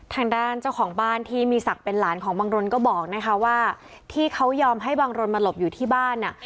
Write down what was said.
ทางด้านเจ้าของบ้านที่มีศักดิ์เป็นหลานของบังรนก็บอกนะคะว่าที่เขายอมให้บังรนมาหลบอยู่ที่บ้านอ่ะ